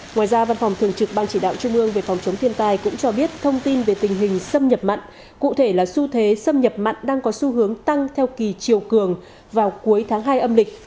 ngoài ra văn phòng thường trực ban chỉ đạo trung ương về phòng chống thiên tai cũng cho biết thông tin về tình hình xâm nhập mặn cụ thể là xu thế xâm nhập mặn đang có xu hướng tăng theo kỳ chiều cường vào cuối tháng hai âm lịch